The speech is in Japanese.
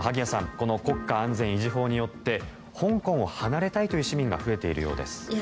この国家安全維持法によって香港を離れたいという市民が増えているようです。